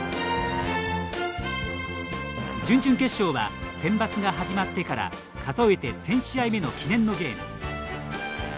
準々決勝はセンバツが始まってから数えて１０００試合目の記念のゲーム。